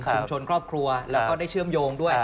ครอบครัวแล้วก็ได้เชื่อมโยงด้วย